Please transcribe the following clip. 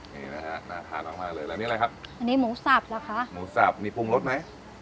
นี่นะฮะน่าทานมากมากเลยแล้วนี่อะไรครับอันนี้หมูสับเหรอคะหมูสับนี่ปรุงรสไหม